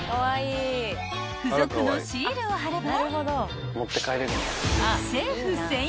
［付属のシールを貼れば］